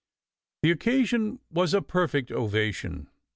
The occasion was a perfect ovation.